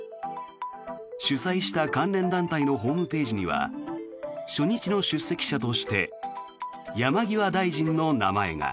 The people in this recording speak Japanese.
主催した関連団体のホームページには初日の出席者として山際大臣の名前が。